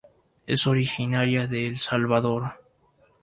Es originaria de El Salvador.